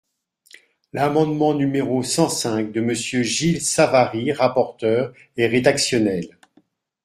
L’amendement numéro cent cinq de Monsieur Gilles Savary, rapporteur, est rédactionnel.